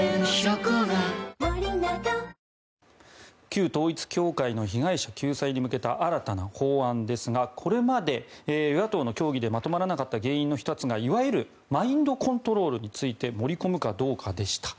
旧統一教会の被害者救済に向けた新たな法案ですがこれまで与野党の協議でまとまらなかった原因の１つがいわゆるマインドコントロールについて盛り込むかどうかでした。